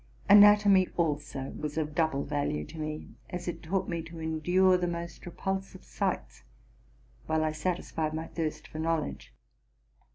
Anatomy, also, was of double value to me, as it taught me to endure the most repul sive sights, while I satisfied my thirst for knowledge.